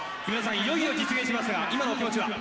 いよいよ実現しますが今のお気持ちは？